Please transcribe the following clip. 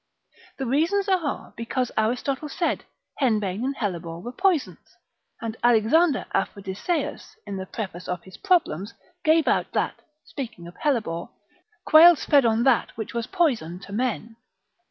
Their reasons are, because Aristotle l. 1. de plant. c. 3. said, henbane and hellebore were poison; and Alexander Aphrodiseus, in the preface of his problems, gave out, that (speaking of hellebore) Quails fed on that which was poison to men.